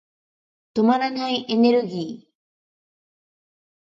止まらないエネルギー。